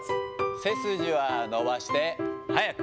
背筋は伸ばして速く。